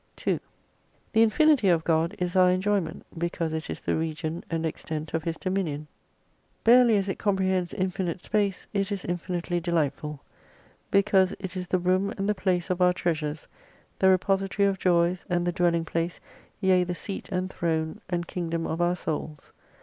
2 The Infinity of God is our enjoyment, because it is the region and extent of His dominion. Barely as it 319 comprehends infinite space, it is infinitely delightful ; because it is the room and the place of our treasures, the repository of joys, and the dwelling place, yea the seat and throne, and Kingdom of our souls.